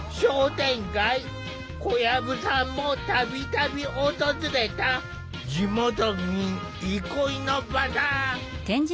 小籔さんも度々訪れた地元民憩いの場だ。